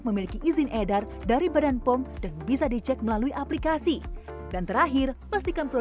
memiliki izin edar dari badan pom dan bisa dicek melalui aplikasi dan terakhir pastikan pro